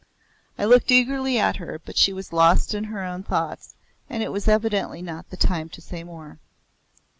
I looked eagerly at her but she was lost in her own thoughts and it was evidently not the time to say more.